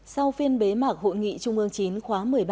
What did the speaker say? sau phiên bế mạc hội nghị trung ương chín khóa một mươi ba